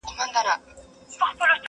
نشه یمه تر اوسه جام مي بل څکلی نه دی،